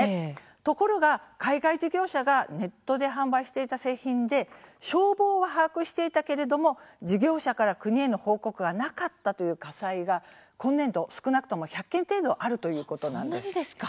ところが海外事業者がネットで販売していた製品で消防は把握していたけれども事業者から国への報告はなかったという火災が今年度、少なくとも１００件程度あるそんなにですか？